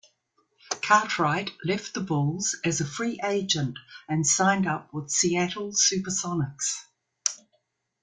Cartwright left the Bulls as a free agent and signed with the Seattle SuperSonics.